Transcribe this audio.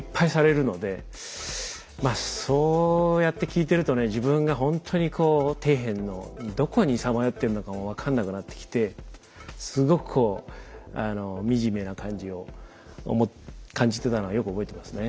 まあそうやって聞いてるとね自分がほんとにこう底辺のどこにさまよってるのかも分かんなくなってきてすごくこう惨めな感じを感じてたのはよく覚えてますね。